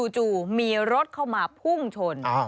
จู่มีรถเข้ามาพุ่งชน